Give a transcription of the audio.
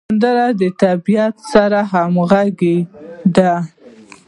سندره د طبیعت سره همغږې ده